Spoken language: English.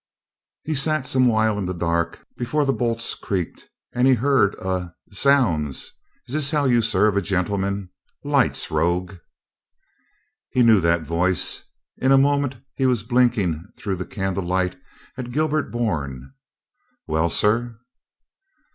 He sat some while in the dark before the bolts creaked and he heard a, "Zounds, is this how you serve a gentleman? Lights, rogue!" He knew that voice. In a moment he was blink ing through the candle light at Gilbert Bourne. "Well, sir?"